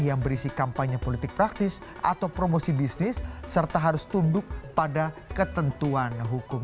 yang berisi kampanye politik praktis atau promosi bisnis serta harus tunduk pada ketentuan hukum